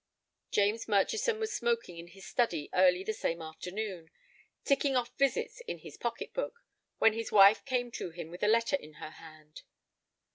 James Murchison was smoking in his study early the same afternoon, ticking off visits in his pocket book, when his wife came to him with a letter in her hand.